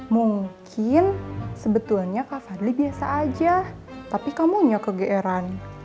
mungkin sebetulnya kak fadli biasa aja tapi kamu nyokeran